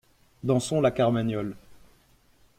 Dansons la Carmagnole!